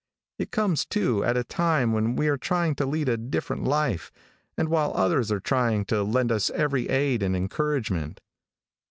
It comes too, at a time when we are trying to lead a different life, and while others are trying to lend us every aid and encouragement.